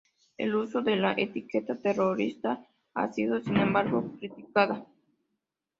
El uso de la etiqueta terrorista ha sido sin embargo criticada.